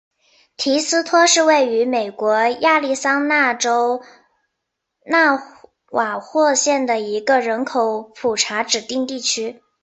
提斯托是位于美国亚利桑那州纳瓦霍县的一个人口普查指定地区。